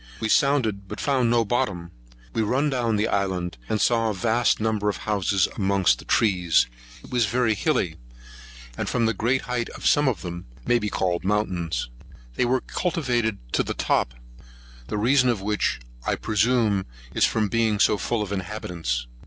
We sounded, but found no bottom. We run down the island, and saw a vast number of houses amongst the trees. It is very hilly, and, from the great height of some of them, may be called mountains. They are cultivated to the top; the reason of which, I presume, is from its being so full of inhabitants.